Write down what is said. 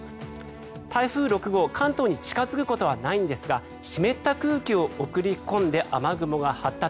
台風６号、関東に近付くことはないんですが湿った空気を送り込んで雨雲が発達。